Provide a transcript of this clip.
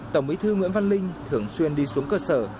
tổng bí thư nguyễn văn linh thường xuyên đi xuống cơ sở